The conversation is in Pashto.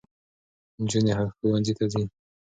نجونې ښوونځي ته ځي.